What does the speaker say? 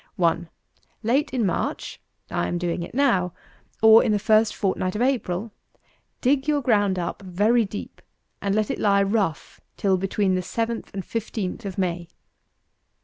1. Late in March (I am doing it now,) or in the first fortnight of April, dig your ground up very deep, and let it lie rough till between the seventh and fifteenth of May.